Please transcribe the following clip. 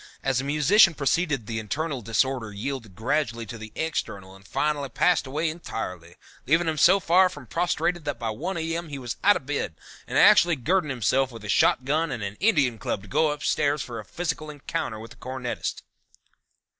As the musician proceeded the internal disorder yielded gradually to the external and finally passed away entirely, leaving him so far from prostrated that by one A.M. he was out of bed and actually girding himself with a shotgun and an Indian Club to go upstairs for a physical encounter with the cornetist."